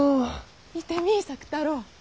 見てみい作太郎。